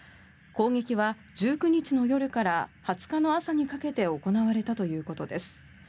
攻撃は１９日の夜から２０日の朝にかけて行われたということです。